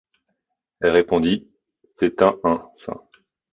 Elle répondit: C’est un-un saint.